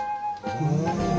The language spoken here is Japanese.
お。